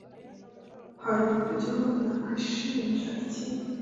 Hari uburyo nakwishinja iki?